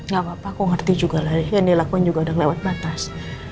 gak apa apa kok ngerti juga lah yang dilakukan juga udah lewat batas